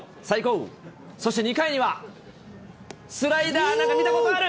そして２回には、スライダー、なんか見たことある。